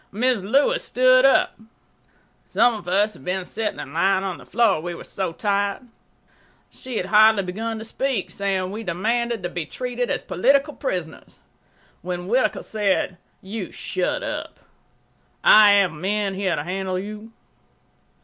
Mrs. Lewis stood up. Some of us had been sitting and lying on the floor, we were so tired. She had hardly begun to speak, saying we demanded to be treated as political prisoners, when Whittaker said: "You shut up. I have men here to handle you."